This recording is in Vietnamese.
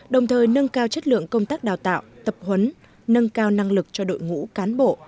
đồng thời nâng cao chất lượng công tác đào tạo tập huấn nâng cao năng lực cho đội ngũ cán bộ